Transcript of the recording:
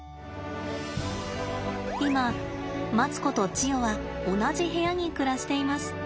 今マツコとチヨは同じ部屋に暮らしています。